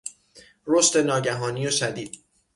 رشد ناگهانی و شدید